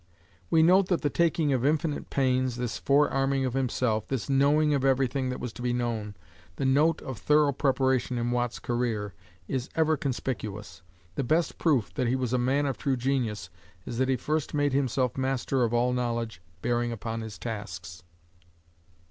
We note that the taking of infinite pains, this fore arming of himself, this knowing of everything that was to be known, the note of thorough preparation in Watt's career, is ever conspicuous. The best proof that he was a man of true genius is that he first made himself master of all knowledge bearing upon his tasks.